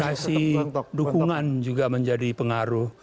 komunikasi dukungan juga menjadi pengaruh